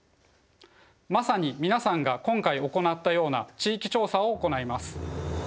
まさに皆さんが今回行ったような地域調査を行います。